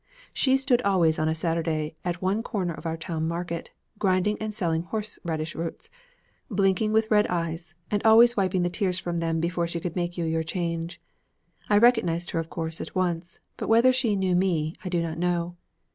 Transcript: She stood always on a Saturday at one corner of our town market, grinding and selling horse radish roots, blinking with red eyes, and always wiping the tears from them before she could make you your change. I recognized her of course at once, but whether she knew me, I do not know.